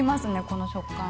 この食感。